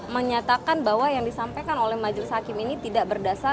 menyatakan bahwa yang disampaikan oleh majelis hakim ini tidak berdasarkan